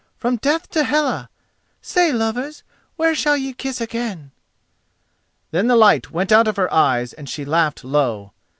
From death to Hela! Say, lovers, where shall ye kiss again?" Then the light went out of her eyes and she laughed low.